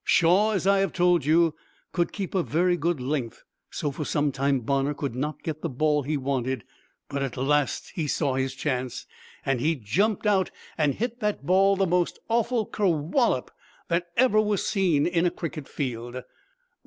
Shaw, as I have told you, could keep a very good length, so for some time Bonner could not get the ball he wanted, but at last he saw his chance, and he jumped out and hit that ball the most awful ker wallop that ever was seen in a cricket field."